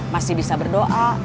masih bisa berdoa